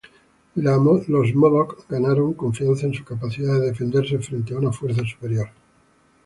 Los modoc ganaron confianza en su capacidad de defenderse frente a una fuerza superior.